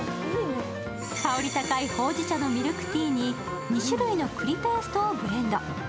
香り高いほうじ茶のミルクティーに２種類の栗ペーストをブレンド。